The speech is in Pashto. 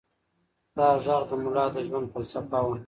دا غږ د ملا د ژوند فلسفه وه.